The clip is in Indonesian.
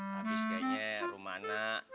habis kayaknya rumah anak